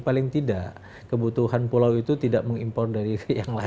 paling tidak kebutuhan pulau itu tidak mengimpor dari yang lain